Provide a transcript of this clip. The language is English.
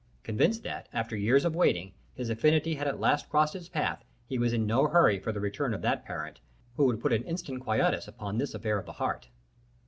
Convinced that, after years of waiting, his affinity had at last crossed his path, he was in no hurry for the return of that parent, who would put an instant quietus upon this affair of the heart.